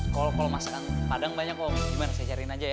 kalau masakan padang banyak kok gimana saya cariin aja ya